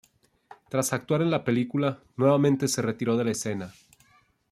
Tras actuar en la película, nuevamente se retiró de la escena.